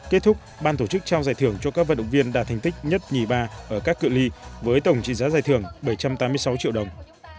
kết thúc ban tổ chức trao giải thưởng cho các vận động viên đạt thành tích nhất nhì ba ở các cự li với tổng trị giá giải thưởng bảy trăm tám mươi sáu triệu đồng